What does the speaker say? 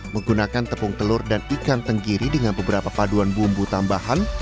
menggunakan tepung telur dan ikan tenggiri dengan beberapa paduan bumbu tambahan